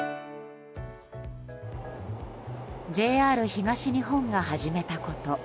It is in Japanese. ＪＲ東日本が始めたこと。